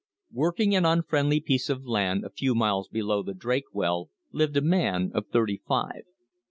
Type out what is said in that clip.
Working an unfriendly piece of land a few miles below the Drake well lived a man of thirty five.